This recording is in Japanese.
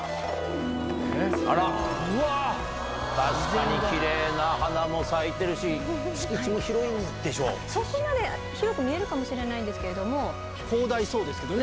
あら、確かにきれいな花も咲いてるし、そこまで、広く見えるかもし広大そうですけどね。